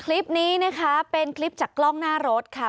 คลิปนี้นะคะเป็นคลิปจากกล้องหน้ารถค่ะ